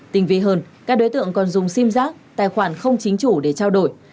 tinh vi hơn các đối tượng còn dùng sim giác tài khoản không chính chủ để trao đổi